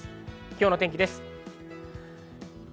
今日の天気です。